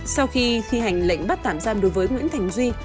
sau khi thi hành lệnh bắt tạm giam đối với nguyễn thành duy